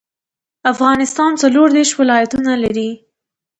افغانستان څلوردیش ولایتونه لري.